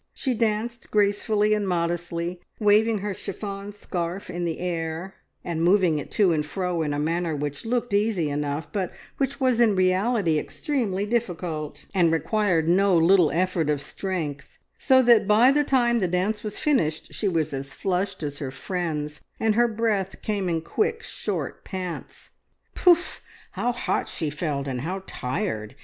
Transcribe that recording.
She danced gracefully and modestly, waving her chiffon scarf in the air, and moving it to and fro in a manner which looked easy enough, but which was in reality extremely difficult, and required no little effort of strength, so that by the time the dance was finished she was as flushed as her friends, and her breath came in quick, short pants. Poof how hot she felt, and how tired!